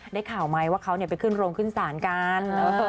ได้ข่าวไหมว่าเขาไปขึ้นโรงขึ้นศาลกัน